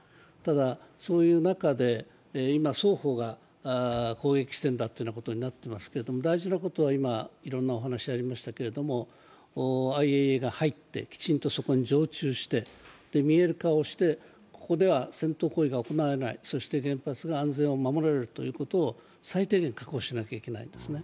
ただ、そういう中で、今、双方が攻撃しているんだということになっていますけれども、大事なことは今、いろんなお話がありましたけれども、ＩＡＥＡが入って、きちんとそこに常駐して見える化をしてここでは戦闘行為が行われない、そして原発の安全が守られるということが最低限確保しなきゃいけないんですね。